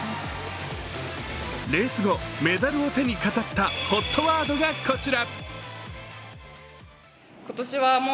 レース後、メダルを手に語ったＨＯＴワードがこちら。